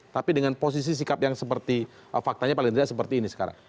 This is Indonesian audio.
tapi dengan posisi sikap yang seperti faktanya paling tidak seperti ini sekarang